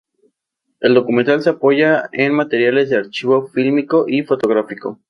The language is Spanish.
El documental se apoya en materiales de archivo fílmico y fotográfico.